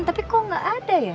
tapi kok gak ada ya